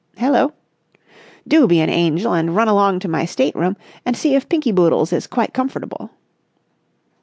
"Hello?" "Do be an angel and run along to my state room and see if Pinky Boodles is quite comfortable."